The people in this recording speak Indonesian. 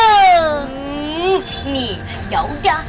hmm nih yaudah